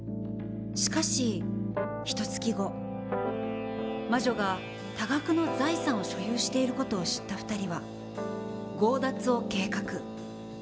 しかしひとつき後魔女が多額の財産を所有している事を知った２人は強奪を計画。